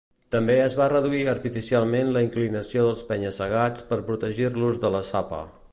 També es va reduir artificialment la inclinació dels penya-segats per protegir-los de la sapa.